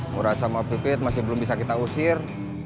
murah sama pipit masih belum bisa kita usir